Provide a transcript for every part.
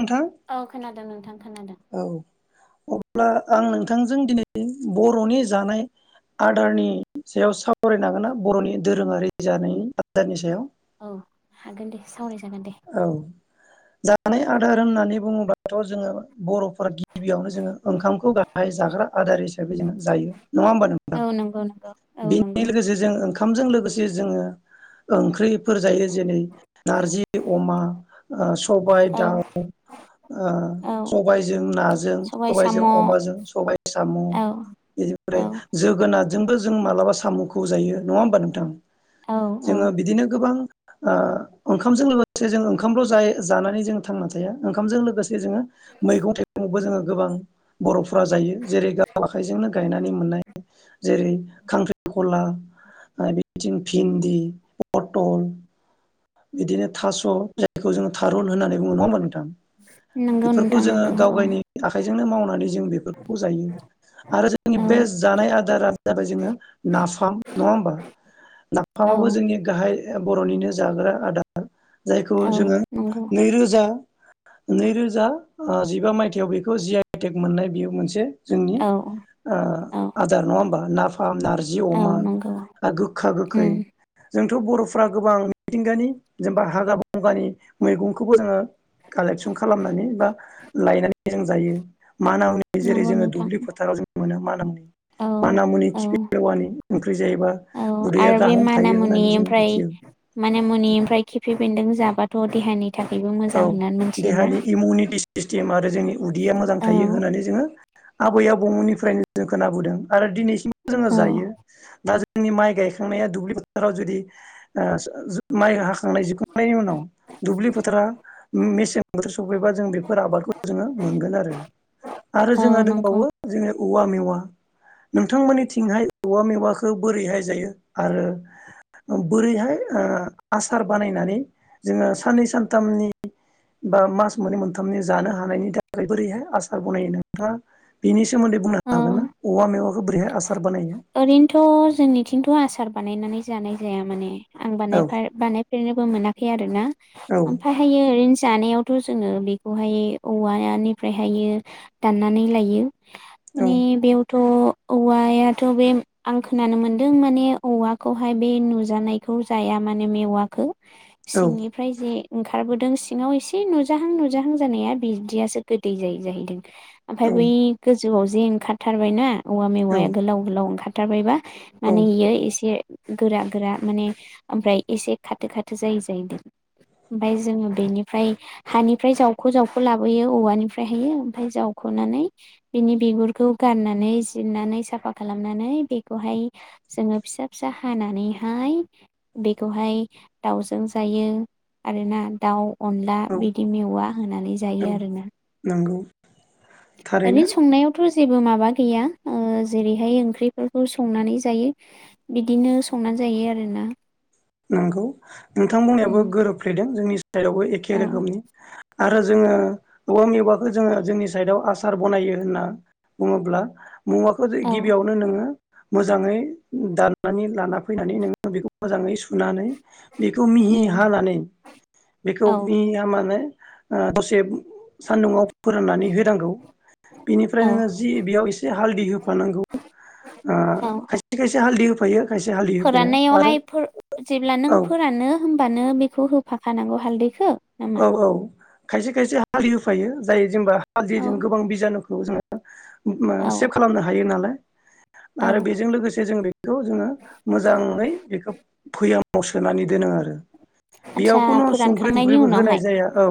नोंथां औ खोनादों नोंथां खोनादों। औ अब्ला आं नोंथांजों दिनै बर'नि जानाय आदारनि सायाव सावरायनो हांगोना बरनि दोरोङारि जानाय आदारनि सायाव? औ हागोन दे सावराय जागोन दे। औ जानाय आदार होननानै बुङोब्लाथ' जोङो बरफोरा गिबियावनो जोङो ओंखामखौ गाहाय जाग्रा आदार हिसाबै जोङो जायो। नङा होमबा औ नोंथां नंगौ नंगौ औ बेनि नंगौ लोगोसे जों ओंखा ओंखामजों लोगोसे जोङो ओंख्रिफोर जायो जेरै नारजि अमा ओ सबाय औ दाउ ओ औ सबायजों नाजों सबाय साम' सबायजों औ अमाजों सबाय साम औ बेनिफ्राय जोगो नारजोंबो जों मालाबा सामखौ जायो नङा होमबा नोंथां? औ औ जोङो बिदिनो गोबां ओ ओंखामजों लोगोसे जों ओंखामल'जायो जानानै जोंङो थांना थाया ओंखामजों लोगोसे जोङो मैगं थाइगंबो जोङो गोबां बरफोरा जायो जेरै गाव आखाइजोंनो गायनानै मोननाय जेरै खांख्रिखला ओ बिदिनो फिन्दि फटल बिदिनो थास जायखौ जोङो थारुन होननानै [unintelligible] थां नंगौ बेफोरखौ नोंथां जोङो नंगौ गाव औ गायनि आखाइ जोंनो मावनानै जों बेफोरखौ जायो आरो जोंनि औ बेस्ट जानाय आदारा जाबाय जोङो नाफाम नङा होमबा औ नाफामाबो जोंनि गाहाय [unintelligible] बर'निनो जाग्रा आदार। जायखौ औ जोङो नंगौ नैरोजा दा नैरोजा ओ जिबा मायथाइयाव बेखौ जि आइटेक मोननाय बियो मोनसे जोंनि औ ओ औ आदार नङा होमबा? नाफा फाम नारजि औ अमा नंगौ आरो गोखा -गोखै उम जोंथ' बर'फ्रा गोबां मिथिंगानि जेनेबा हागा बंग्रानि मैगंखौबो जोङो कालेकसन खालामनानै बा लायनानै जों जायो । माना मुनि जेरै नंगौ जोङो नोंथां दुब्लि फोथाराव जों मोनो मा औ औ । माना मुनि औ खिपि लेवानि ओंख्रि जायोबा औ उदैया आरो बे गाहाम थायो मानामुनि होननानै जों ओमफ्राय मिथियो मानामुनि ओमफ्राय खिफि बेन्दों जाबाथ' देहानि थाखायबो औ मोजां होननानै मिथियोना देहानि इमउनिटि सिसटिम आरो जोंनि उदैया मोजां औ थायो होननानै जोङो आबै आबौमोननिफ्रायनो जों खोनाबोदों आरो दिनैसिम जोङो औ जायो दा जों जोंनि माइ गायखांनाया दुब्लि फोथाराव जुदि ओ माइ हाखांनाय जोबखांनायनि उनाव दुब्लि फोथारा मेसें बोथोर सफैबा जों बेफोर आबादखौ जोङो मोनगोन आरो आरो औ जोंहा नंगौ दंबावो जोंङो औवा मेवा नोंथांमोननिथिंहाय औवा मेवाखौ बोरैहाय जायो आरो बोरैहाय ओ आसार बानायनानै जोङो साननै सानथामनि बा मास मोननै मोनथामनि जानो हानायनि थाखाय बोरैहाय आसार बनायो नोंथाङा बिनि नि सोमोन्दै बुंनो हागोन औ ना औवा मेवाखौ बोरैहाय आसार बानायो? ओरैनोथ' जोंनिथिंथ' आसार बानायनानै जानाय जाया माने। आं औ बानायफाय बानायफेरनोबो मोना फे आरो ना। औ ओमफाय हायो ओरैनो जानायावथ' जोङो बेखौहाय औवानिफ्रायहाय दाननानै लायो। औ माने बेयावथ' थ' औवायाथ' बे आं खोनानो मोनदों माने औवाखौहाय बे नुजानायखौ जाया माने मेवाखो औ सिंनिफ्राय जे ओंखारबोदों सिङाव एसे नुजाहां नुजाहां जानाया बिदियासो गोदै जायो जाहैदों। ओमफ्राय बै गो जौआव जे ओंखारथारबाय ना औवा औ मेवाइया गोलाव गोलाव ओंखार थारबायबा। औ माने इयो इसे गोरा गोरा माने ओमफ्राय एसे खाथो खाथो जायो जाहैदों ओमफाय जोङो बेनिफ्राय हानिफ्राय जावख' जावख' लाबोयो औवानिफ्राय हाययो ओमफ्राय जावख'नानै बिनि बिगुरखौ गारनानै जिरनानै साफा खालामनानै बेखौहाय जोङो फिसा फिसा हानानैहाय बेखौहाय दाउजों जायो आरोना दाउ अनला औ बिदि मेवा होनानै जायो औ आरोना। नंगौ थारैनो दानि संनायावथ' ज जेबो माबा गैया ओ जेरैहाय ओंख्रिफोरखौ संनानै जायो बिदिनो संनानै जायो आरोना। नंगौ नोंथां बुंनायाबो उम गोरोबफ्लेदों जोंनि स सायदायावबो एखे औ रोखोमनि। आरो जोङो औवा मेवाखौ जोङो जोंनि साइडआव आसार बनायो होनना बुङोब्ला मुवाखौ औ गिबियावनो नोङो मोजाङै दाननानै लाना फैनानै नोङो बेखौ मोजाङै सु सुनानै बेखौ मिहि उम हानानै बेखौ औ मिहि हामाने ओ दसेब सान्दुंङाव फोराननानै होनांगौ। बेनिफ्राय औ नोङो जि बेयाव एसे ह हालदि होफानांगौ। ओ औ खायसे खायसे हालदि फायो। फोराननायावहाय फोर जेब्ला नों औ फोरानो होमबानो बेखौ होफ फाखानांगौ हालदैखो। औ औ खायसे खायसे ह फालि होफायो जायो जेनबा औ हालदैजों गोबां बिजानु खौ जोङो उम मा औ सेभ खालामनो हायो नालाय। औ आरो बेजों लोगोसे जों बेखौ जोङो मोजाङै बेखौ भैयाम बौ सोनानै दोनो आरो ओ बेयाव आदसा कुनु संख्रि टंक फोरानखांनायनि ख्रिबो होनाय उनावहाय जाया औ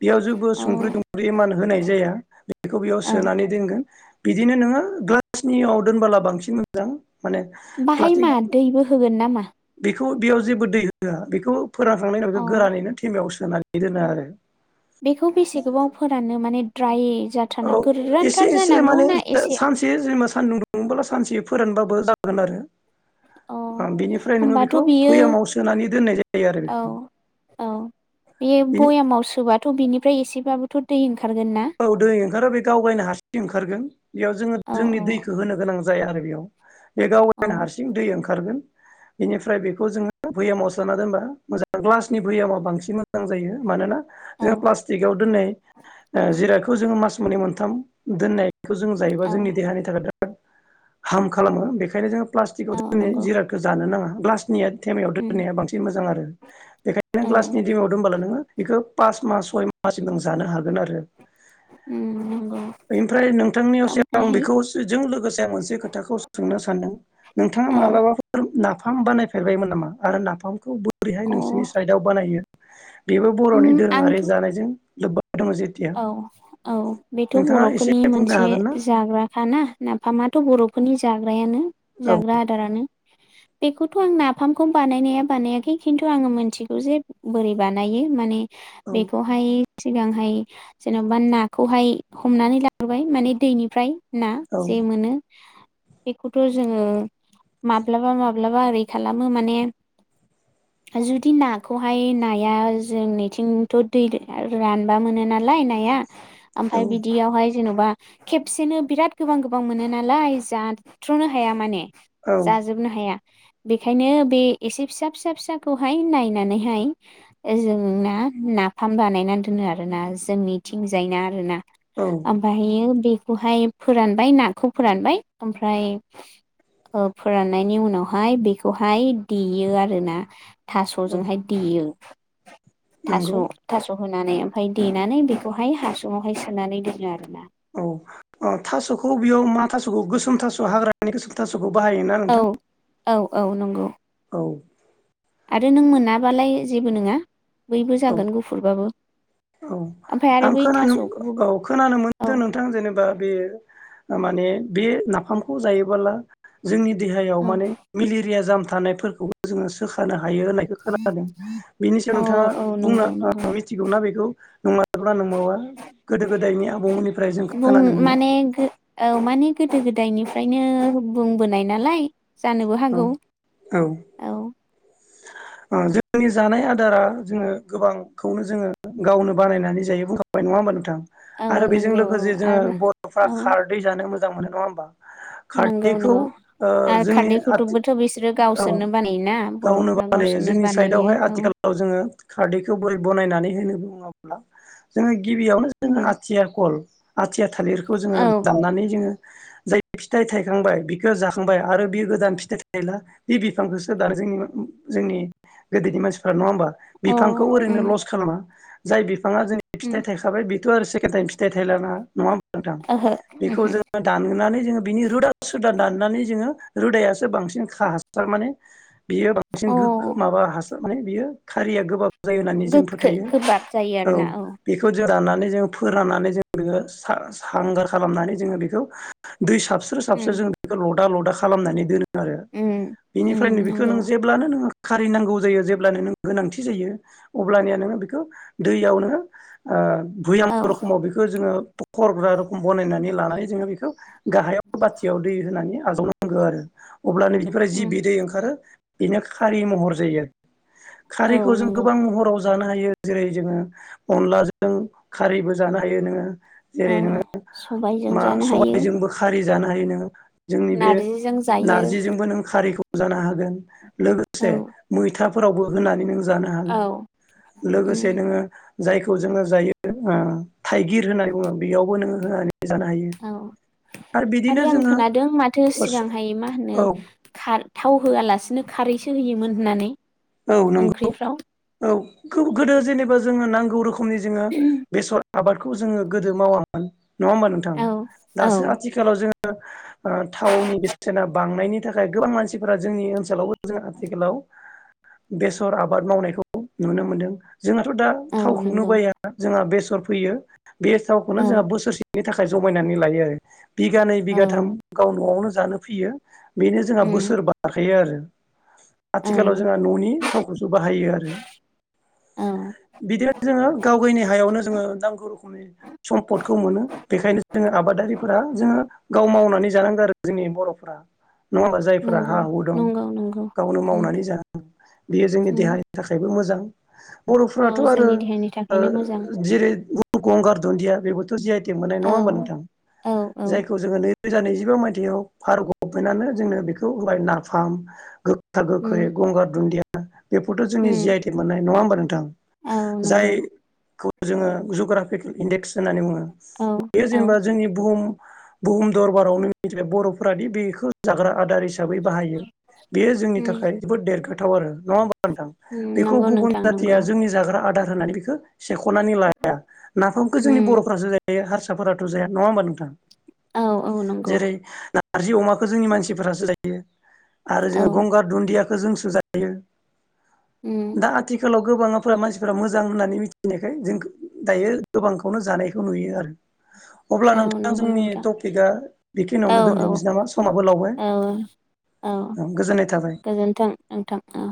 बेयाव जेबो औ संख्रि टुंख्रि इमान होनाय जाया बेखौ बेयाव औ सोनानै दोनगोन। बिदिनो नोङो ग्लासनियाव दोनबोला बांसिन मोजां। माने बाहाय प्लास्टिक मा दैबो होगोन नामा? बेखौ बेयाव जेबो दै होआ बेखौ फोराखांनाय उनाव अ गोरानैैनो थेमायाव सो सोनानै दोनो आरो बेखौ बेसे गोबाव फोराननो माने ट्राये औ एसे एसे माने एसे सानसे जेनेबा सानदुं नोंबोला सानसे फोरानबाबो जागोन अ आरो। बेनिफ्राय नोङो होमबाथ' बेखौ बियो फैयामाव सोनानै दोननाय जायो आरो बेखौ। औ थ' बिनिफ्राय एसेबाबोथ' दै ओं औ दै ओंखारो बे गावगायनो हारसिं ओंखारगोन बेयाव जोङो औ जोंनि दैखौ होनो गोनां ज जाया आरो बेयाव। बे गाव वेन औ हारसिं दै ओंखार सारगोन बेनिफ्राय बेखौ जोङो भैयामाव सोना दोनबा मोजां ग्लासनि भैयामा बांसिन मोजां जायो मानोना औ जोंहा प्लास्टिकआव दोननाय जिरायखौ जोङो मास मोननै मोनथाम दोननाय बेखौ जों जायोबा औ जोंनि देहानि थाखाय बि हार्म खालामो बेखायनो जों। प्लास्टिकआव औ [unintelligible] नंगौ जिरादाखो जानो नाङा। ग्लास निया टेमायाव उम दोननाया बांसिन मोजां आरो। [inaudible] बेखायनो औ ग्लासनि दिमायाव दोनबला नोङो बेखौ फास मास सय मा सिम नों जानो हागोन आरो। उम नंगौ बेनिफ्राय नोंथांनियावसो आं ओमफ्रायहाय बेखौ जों लोगोसे आं मोनसे खोथाखौ सोंनो सानदों नोंथाङा औ मालाबाफोर ना फाम बानायफेरबायमोन नामा आरो नाफामखौ बो रैहाय अ नोंसिरनि साइडाव बानायो? बेबो बर'नि उम दोरोङारि आंथ' जानायजों लोबबा दङजे। औ। औ बेथ' एसे बर'फोरनि बुंनो मोनसे हागोन ना जाग्राखाना नाफामा थ' बर'फोरनि जाग्रायानो औ जाग्रा आदारानो बेखौथ' आं नाफामखौ बानायनाया बानायाखै खिन्थु आङो मोनथिगौ जे बोरै बानायो माने बेखौहाय सिगांहाय जेनोबा नाखौहाय हमनानै लाबोबाय माने दैनिफ्राय ना औ जे मोनो। बेखौथ' जोङो माब्लाबा माब्लाबा ओरै खालामो माने जुदि नाखौहाय नाया जोंनिथिंथ' दै रानबा मोनो ना लाय नाया। ओमफ्राय बिदियावहाय जेनोबा खेबसेनो बिराद गोबां गोबां मोनो नालाय जाथ्र'नो हाया माने औ जाजोबनो हाया। बेखायनो बे एसे फिसा फिसा फिसाखौहाय नायनानैहाय ओ जोंना नाफाम बानायना दोनो आरोना जोंनिथिंजायना आरोना। औ ओमफायहायो बे खौहाय फोरानबाय नाखौ फोरानबाय ओमफ्राय ओ फोराननायनि उनावहाय बेखौहाय देयो आरो ना औ थास'जोंहाय देयो। थास' नंगौ थास' होननानै ओमाय दे नानै बेखौहाय हासुंङा हाय सोनानै दोनो आरो औ ओ थास'खौ बेयाव मा थास'खौ गोसोम थास' हाग्रानि गोसोम थास'खौ बाहायोना औ नोंथां? औ औ नंगौ। औ। आरो नों मोनाबालाय जेबो नङा। बैबो औ जागोन गुफुरबाबो औ ओमफ्राय आरो आं बै खोनानो थास'खौबो औ खोनानो औ मोनदों नोंथां जेनेबा बे माने बे नाफामखौ जायोबोला जोंनि देहायाव औ माने मेलेरिया जाम थानायफोरखौबो जोङो सोखानो हा हायो होननायखौ खोनादों बेनि सायाव औ औ नोंथाङा नंगौ नंगौ ओ मिथिगौना बेखौ नङाबाब्ला नोंङाबा गोदो गोदायनि आबौमोननिफ्राय जों बुं खोनानो मोनदो। माने औ माने गोदो गोदायनिफ्रायनो बुंबोनाय नालाय। जानोबो हागौ औ औ। ओ जोंनि जानाय आदारा जोङो गोबांखौनो जोङो गावनो बानायनानै जायो बुंखाबाय नङा होमबा नोंथां। औ आरो बेजों नंगौ औ लोगोसे जोङो आरो बर'फ्रा औ खारदै जानो मोजां मोजां मोनो नङा ओमबा? नंगौ खारदैखौ नंगौ ओ आरो जोंनि [unintelligible] खारदैखौथ'बोथ' बिसोरो औ गावसोरनो बानायोना गावनो बर'फ्रा बानायो गावसोरनो जोंनि बानायो साइडआवहाय औ आथिखालाव जोङो खारदैखौ बोरै बोनायनानै होनो बुङोब्ला जोङो गिबियावनो जोङो आथिया कल आथिया थालिरखौ जोङो औ दाननानै जोङो जाय फिथाइ थायखांबाय बिखौ जाखांबाय आरो बियो गोदान खिथ थायला बे बिफांखौसो दा जोंनि जोंनि गोदोनि मानसिफ्रा नङा होमबा? अ बिफांखौ ओरैनो उम लस खालामा जाय बि बिफाङा जोंनि फिथाइ उम थायखाबाय बि बेथो आरो सेकणटाइम फिथाइ थायलाना नङा नोंथां ओहो बेखौ उमहो जोङो दानहोनानै बिनि रोदा सोदा दानानै जों रोदाया बांसिन खाहासार माने बियो बांसिन अ गो माबा हास माने बियो खारिया गोबाब जायो होननानै जों गोखखो फोथायो गोबाब जायो आरोना औ। बेखौ राननानै जो फोराननानै जों बेखौ सा सा हांगार खालामनानै जोङो बेखौ दै साबस्र साबसो उम जों दैखौ ल दाल लदा खालामनानै दोनो । आरो उम उम बिनिफ्रायनो बेखौ नंगौ नों जेब्लानो नोङो खारिै नांगौ जायो जेब्लानो नों गोनांथि जायो अब्लानिया नोङो बेखौ दैयाव नोङो ओ भुयाम औ रखामाव बेखौ जोङो खरग्रा रखोम बानायनानै लानानै जोङो बेखौ गाहायाव बाथियाव दै होनानै आजाव नांगौ आरो । अब्लानो बिनिफ्राय जि उम बि दैै ओंखारो बेनो खारि महर जायो औ खारिैखौ जों नंगौ गोबां महराव ज जानो हायो जेरै जोङो अनलाजों खारैबो जानो हायो नोङो औ जेरै नोङ सबायजों मा जानो हायो सबायजों बो खारि जानो हायो नोङो । नारजिजों जा नारजिजोंबो नों खारैखौ जानो हागोन औ लोगोसे मैथाफोरावबो होनानै नों जानो औ हागोन लोगोसे उम नोङो जायखौ जोङो जायो उम थाइगिर होनना बुङो बेयावबो नोङो हो औ आरो आं जोङो खोनादों माथो सिगां हाय मा औ होनो खार थाव होआलासे नों खारैसो होयोमोन होननानै औ नंगौ ओंख्रिफ्राव औ । [unintelligible] गोदो जेनेबा जोङो नांगौ रोखोम नि जोङो बेसर आबादखौ जोङो गोदो मावामोन नङा होमबा नोंथां औ औ दासो आथिखालाव जोङो ओ थावनि बेसेना बांनायनि थाखाय गोबां मानसिफोरा जोंनि ओनसोलाव जों आथिखालाव बेसर आबाद मावनायखौ नुनो मोनदों । जोंहाथ' दा औ थावखौनो नंगौ बाया जोंहा बेसर फोयो बे थावखौनो औ जोंहा बोसोरसेनि थाखाय जमायनानै लायो आरो बिघानैै औ बिघाथाम गाव नआवनो जानो फोयो बेनो जोंहा उम बोसोर बाखायो औ आरो जोंहा न'नि थाव खौसो बाहायो आरो औ बिदिनो जोङो गाव गावनि हायावनो जोङो नांगौ रोखोमनि सम्फदखौ मोनो बेखायनो जोङो आबादारिफोरा जोङो गाव मावनानै जानांगौ आरो जोंनि बर'फोरा नङा जायफोरा नंगौ हा हु दं नंगौ नंगौ गावनो उम मावनानै जा उ [inaudible] बियो जोंनि उम देहानि थाखाय बो मोजां। औ बर'फ्राथ' आरो जोंनि देहानि ओ थाखायनो मोजां जेरै गंगार दुन्दिया बेबोथ' जि आइ तेग मोननाय नङा औ होनबा नोंथां औ औ जायखौ जों नै रोजा नैजिबा मायथाइयाव भारत गभमेन्टआनो जोंनो बेखौ होबाय नाफाम। दा गोखोहाय उम [inaudible] दुन्दिया बेफोरथ' जोंनि जि उम आइ तेग मोननाय। नङा होमबा नोंथां? औ नंगौ जायखौ जोङो जग्राफिकेल इन्डेक्स होननानै बुङो औ बेयो औ जेनेबा जोंनि बुहुम बुहुम दरबारावनो बर'फोरादि बेखौ जाग्रा आदार हिसा बै बाहायो बेयो जोंनि उम थाखाय जोबोद देरगाथाव आरो नङा होनबा उम बेखौ नंगौ गुबुन नोंथां नंगौ जाथिया जोंनि जाग्रा आदार होननानै बेखौ सेखनानै लाया। नाफामखौ उम जोंनि बर'फ्रासो जायो। बे हारसाफोराथ' जाया नङा होमबा नोंथां। औ औ नंगौ जेरै ना नारजि अमाखौ जोंनि मानसिफोरासो जायो। आरो औ जों गंगार दुन्दिया खो जोंसो जायो। उम दा आथिखालाव गोबाङाफोरा मानसिफोरा मोजां होननानै मिथिनायखाय जों दायो गोबांखौनो जानायखौ नुयो आरो। अब्ला औ नोंथां नंगौ जोंनि नोंथां टपिकआ औ बिखिनायावनो औ दोनथ'नोसै नामा समाबो लावबाय औ गोजोननाय थाबाय। थों नोंथां अ।